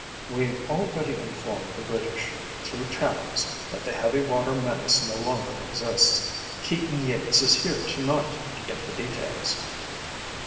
We've already informed the British, through channels, that the heavy water menace no longer exists. Keaton Yeats is here tonight to get the details."